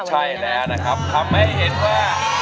ใช่แล้วนะครับทำให้เห็นว่า